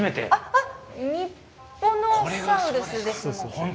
あっ「ニッポノサウルス」ですもん。